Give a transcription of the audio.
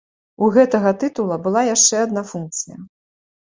У гэтага тытула была яшчэ адна функцыя.